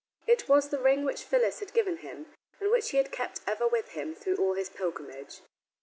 It was the ring which Phyllis had given him, and which he had kept ever with him through all his pilgrimage.